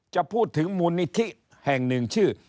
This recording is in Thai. จะพูดถึงมูลนิธิแห่งหนึ่งชื่อ